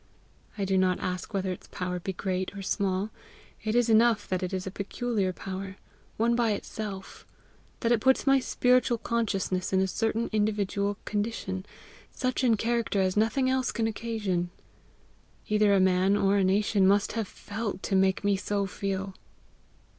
I do not ask whether its power be great or small; it is enough that it is a peculiar power, one by itself; that it puts my spiritual consciousness in a certain individual condition, such in character as nothing else can occasion. Either a man or a nation must have felt to make me so feel."